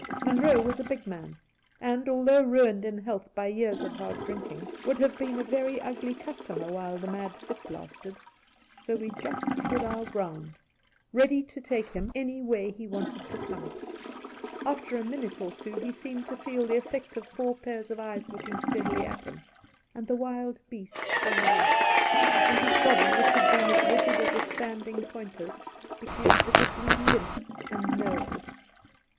Munroe was a big man, and, although ruined in health by years of hard drinking, would have been a very ugly customer while the mad fit lasted ; so we just stood our ground, ready to take him any yo Soltke way he wanted to come. After a minute or two he seemed to feel the effect of four pairs of eyes looking steadily at him, and the wild beast died out, and his body, which had been as rigid as a ' standing ' pointer's, became visibly limp and nerveless.